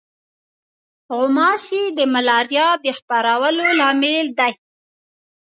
غوماشې د ملاریا د خپرولو لامل دي.